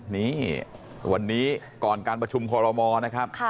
นี่วันนี้ก่อนการประชุมคอรมอนะครับ